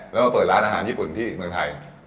แล้วมาเปิดร้านอาหารญี่ปุ่นที่เมืองไทย